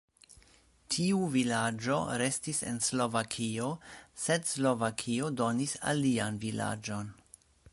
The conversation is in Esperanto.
Tiu vilaĝo restis en Slovakio, sed Slovakio donis alian vilaĝon.